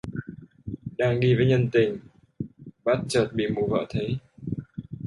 Đang đi với tình nhân, bắt chợt bị mụ vợ thấy